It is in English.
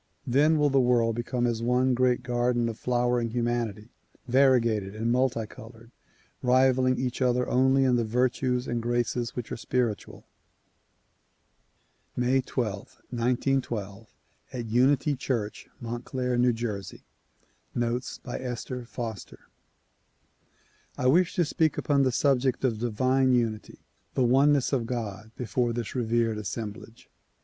Then will the world become as one great garden of flowering humanity, variegated and multi colored, rivaling each other only in the virtues and graces which are spiritual. II May 12, 1912, at Unity Church, Montclair, N. J. Notes by Esther Foster I WISH to speak upon the subject of "Divine Unity," the "One ness of God, '' before this revered assemblage.